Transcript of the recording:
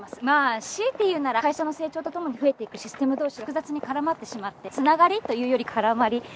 まぁ強いて言うなら会社の成長とともに増えていくシステム同士が複雑に絡まってしまって「つながり」というより「絡まり」？